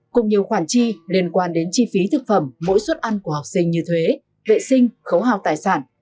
cùng nhiều khoản chi liên quan đến chi phí thực phẩm mỗi suất ăn của học sinh như thuế vệ sinh khấu hào tài sản